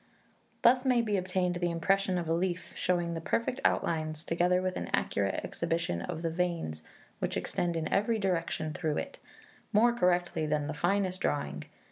Thus may be obtained the impression of a leaf, showing the perfect outlines, together with an accurate exhibition of the veins which extend in every direction through it, more correctly than the finest drawing.